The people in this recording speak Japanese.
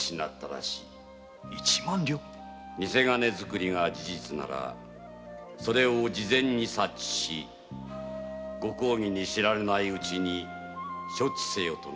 ニセ金づくりが事実ならそれを事前に察知し公儀に知られぬうちに処置せよとの殿の仰せだ